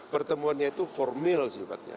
pertemuannya itu formil sifatnya